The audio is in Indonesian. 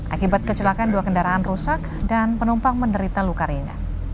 akibat kecelakaan dua kendaraan rusak dan penumpang menderita luka ringan